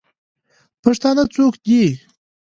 پښتانه څوک دئ؟